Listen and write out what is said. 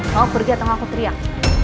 mau pergi atau aku teriak